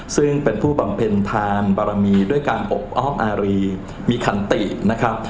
ซึ่งเป็นผู้บำเพ็ญทานบารมีด้วยการอบอ้อมอารีมีคันตินะครับ